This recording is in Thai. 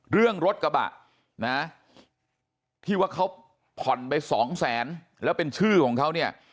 เรื่องรถกระบะนะที่ว่าเขาผ่อนไปสองแสนแล้วเป็นชื่อของเขาเนี่ย